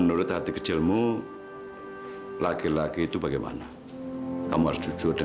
ya tapi kalau kamu keberatan